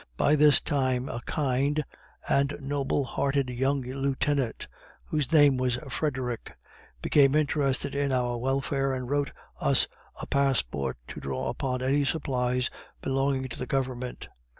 By this time a kind and noble hearted young Lieutenant, whose name was Frederick, became interested in our welfare, and wrote us a passport to draw upon any supplies belonging to the Government.